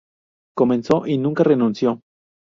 Comenzó y nunca renunció.